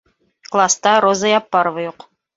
Класта Роза Яппарова юҡ.